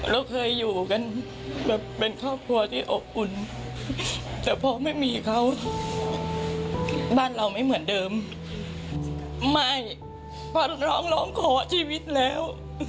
เราเคยอยู่กันแบบเป็นครอบครัวที่อบอุ่นแต่พอไม่มีเขาบ้านเราไม่เหมือนเดิมไม่พอน้องร้องขอชีวิตแล้ว